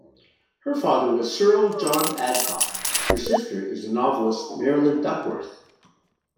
Her father was Cyril John Adcock, her sister is the novelist Marilyn Duckworth.